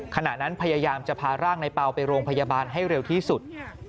ขณะนั้นพยายามจะพาร่างในเปล่าไปโรงพยาบาลให้เร็วที่สุด